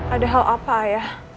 ada hal apa ayah